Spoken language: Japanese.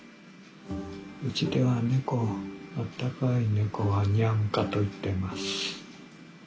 うちでは猫をあったかい猫はニャンカと言ってます。